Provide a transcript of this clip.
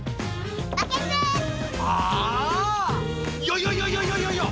いやいやいやいやいやいやいや！